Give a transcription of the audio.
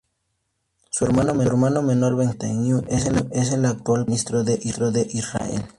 Su hermano menor Benjamin Netanyahu es el actual Primer Ministro de Israel.